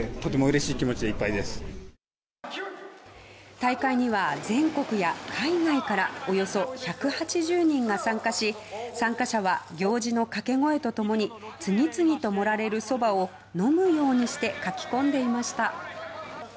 大会には全国や海外からおよそ１８０人が参加し参加者は行司のかけ声と共に次々と盛られるそばを飲むようにしてかき込んでいました。